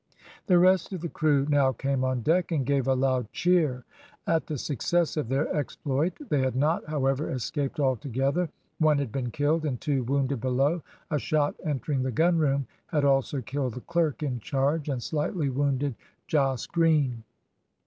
The rest of the crew now came on deck, and gave a loud cheer at the success of their exploit; they had not, however, escaped altogether, one had been killed and two wounded below, a shot entering the gunroom had also killed the clerk in charge, and slightly wounded Jos Green.